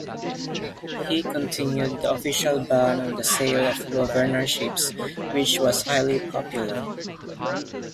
He continued the official ban on the sale of governorships, which was highly popular.